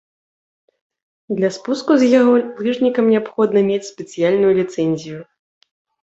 Для спуску з яго лыжнікам неабходна мець спецыяльную ліцэнзію.